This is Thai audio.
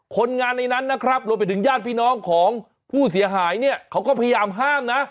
คนงานในนั้นนะครับรวมไปถึงญาติพี่น้องของผู้เสียหายเนี่ยเขาก็พยายามห้ามนะ